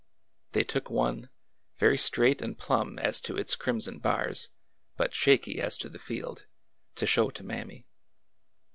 They took one, very straight and plumb as to its crimson bars," but shaky as to the field, to show to Mammy.